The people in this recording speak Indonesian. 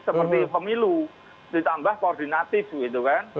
seperti pemilu ditambah koordinatif gitu kan